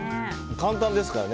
簡単ですからね。